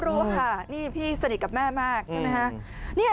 รู้ค่ะนี่พี่สนิทกับแม่มากใช่ไหมคะ